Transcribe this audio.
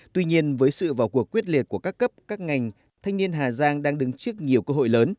tuy nhiên với sự vào cuộc quyết liệt của các cấp các ngành thanh niên hà giang đang đứng trước nhiều cơ hội lớn